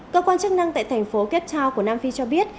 cơ quan chức năng tại thành phố cape town của nam phi cho biết